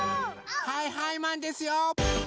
はいはいマンですよ！